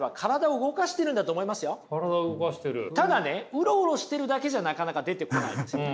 ただねウロウロしてるだけじゃなかなか出てこないですよね。